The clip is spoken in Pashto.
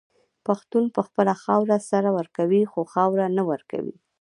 پښتون په خپله خاوره سر ورکوي خو خاوره نه ورکوي.